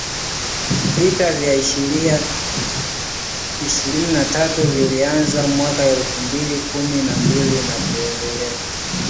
Vita vya ishirini na tatu vilianza mwaka elfu mbili kumi na mbili na kuendelea